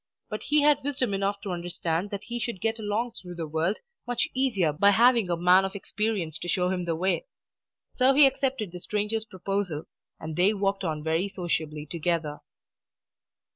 But he had wisdom enough to understand that he should get along through the world much easier by having a man of experience to show him the way. So he accepted the stranger's proposal, and they walked on very sociably together.